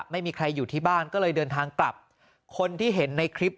ไม่มีใครอยู่ที่บ้านก็เลยเดินทางกลับคนที่เห็นในคลิป